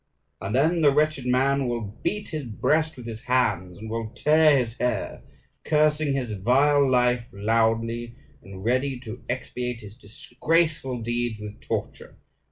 And then the wretched man will beat his breast with his hands; and will tear his hair, cursing his vile life loudly, and ready to expiate his disgraceful deeds with torture.